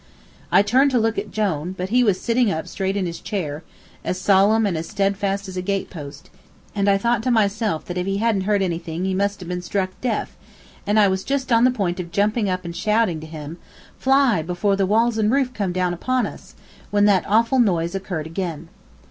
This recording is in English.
I turned to look at Jone, but he was sitting up straight in his chair, as solemn and as steadfast as a gate post, and I thought to myself that if he hadn't heard anything he must have been struck deaf, and I was just on the point of jumping up and shouting to him, "Fly, before the walls and roof come down upon us!" when that awful noise occurred again.